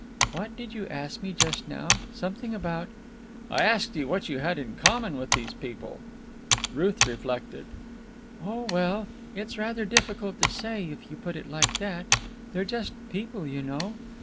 "What did you ask me just now? Something about——" "I asked you what you had in common with these people." Ruth reflected. "Oh, well, it's rather difficult to say if you put it like that. They're just people, you know.